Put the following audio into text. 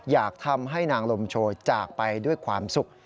อยากทำให้นางลมโชว์จากไปด้วยความสุข